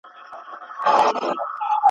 ستا تر مالته ستا تر ښاره درځم ..